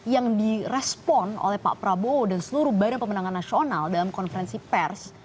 yang di respon oleh pak prabowo dan seluruh banyak pemenangan nasional dalam konferensi pers